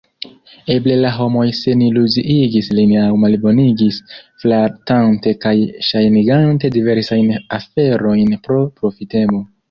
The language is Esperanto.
Eble la homoj seniluziigis lin aŭ malbonigis, flatante kaj ŝajnigante diversajn aferojn pro profitemo.